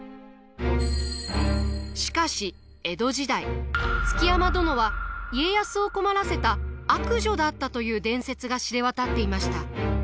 しかし江戸時代築山殿は家康を困らせた悪女だったという伝説が知れ渡っていました。